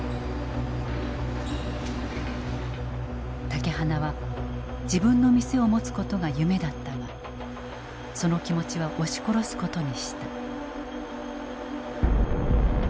竹鼻は自分の店を持つことが夢だったがその気持ちは押し殺すことにした。